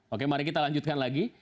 oke mari kita lanjutkan lagi